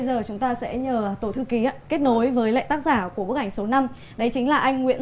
bây giờ chúng ta sẽ nhờ tổ thư ký kết nối với lại tác giả của bức ảnh số năm đấy chính là anh nguyễn